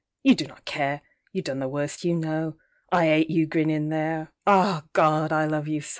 You do not care—You done the worst you know.I 'ate you, grinnin' there….Ah, Gawd, I love you so!